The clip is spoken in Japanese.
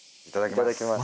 いただきます。